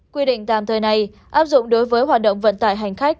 quy định tạm thời này áp dụng đối với hoạt động vận tải hành khách